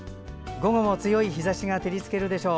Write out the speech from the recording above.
午後も強い日ざしが照りつけるでしょう。